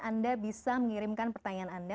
anda bisa mengirimkan pertanyaan anda